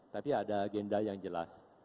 tapi ada agenda yang jelas